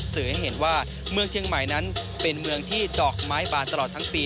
สื่อให้เห็นว่าเมืองเชียงใหม่นั้นเป็นเมืองที่ดอกไม้บานตลอดทั้งปี